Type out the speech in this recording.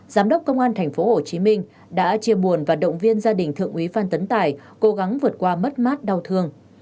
giám đốc công an tp hcm đã chia buồn và động viên gia đình thượng úy phan tấn tài cố gắng vượt qua mất mát đau thương